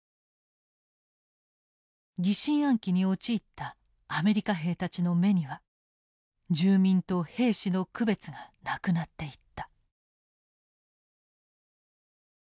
疑心暗鬼に陥ったアメリカ兵たちの目には住民と兵士の区別がなくなっていった。